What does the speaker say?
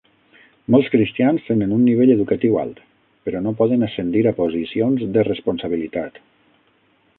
Molts cristians tenen un nivell educatiu alt, però no poden ascendir a posicions de responsabilitat.